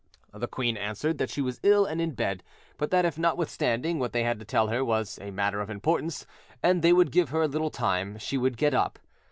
The queen answered that she was ill and in bed, but that if notwithstanding what they had to tell her was a matter of importance, and they would give her a little time, she would get up.